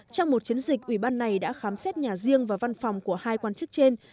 trong một chiến dịch ủy ban này đã khám xét nhà riêng và văn phòng của hai quan chức trên